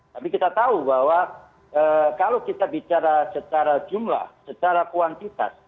tapi kita tahu bahwa kalau kita bicara secara jumlah secara kuantitas